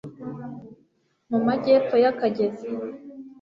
mu majyepfo y'akagezi